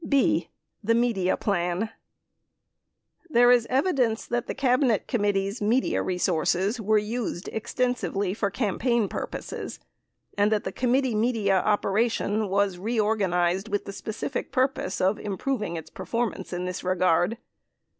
19 b. The Media Plan There is evidence that the Cabinet Committee's media resources were used extensively for campaign purposes and that the committee media operation was reorganized with the specific purpose of improv ing its performance in this regard.